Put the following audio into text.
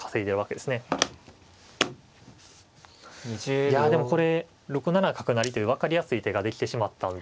いやでもこれ６七角成という分かりやすい手ができてしまったんで。